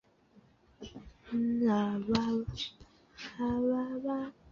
夏鼎基与其兄妹大卫及帕米娜皆生于澳洲塔斯曼尼亚州荷伯特。